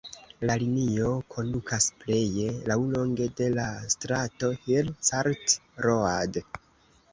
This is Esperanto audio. La linio kondukas pleje laŭlonge de la strato Hill Cart Road.